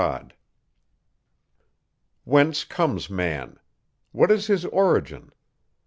Whence comes man? What is his origin?